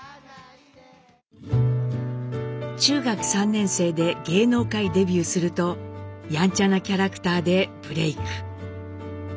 中学３年生で芸能界デビューするとやんちゃなキャラクターでブレーク。